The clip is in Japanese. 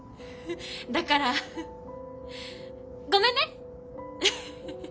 だからごめんね！